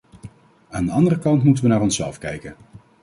Aan de andere kant moeten we naar onszelf kijken.